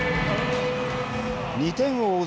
２点を追う